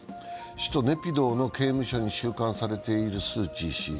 首都ネピドーの刑務所に収監されているスー・チー氏。